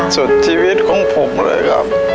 สุดชีวิตของผมเลยครับ